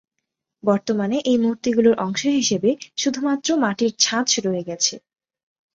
বর্তমানে এই মূর্তিগুলির অংশ হিসেবে শুধুমাত্র মাটির ছাঁচ রয়ে গেছে।